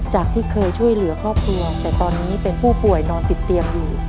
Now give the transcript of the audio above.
ที่เคยช่วยเหลือครอบครัวแต่ตอนนี้เป็นผู้ป่วยนอนติดเตียงอยู่